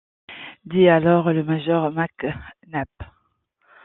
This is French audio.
dit alors le major Mac Nabbs.